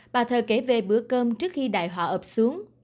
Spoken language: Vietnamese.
bà thờ kể về bữa cơm trước khi đại họa ập xuống